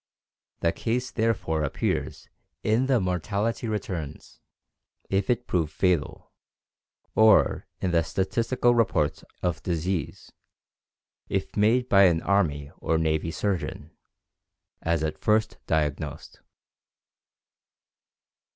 The case therefore appears in the mortality returns, if it prove fatal, or in the statistical reports of disease, if made by an army or navy surgeon, as at first diagnosed."